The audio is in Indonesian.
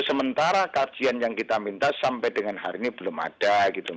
sementara kajian yang kita minta sampai dengan hari ini belum ada